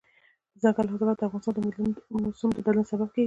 دځنګل حاصلات د افغانستان د موسم د بدلون سبب کېږي.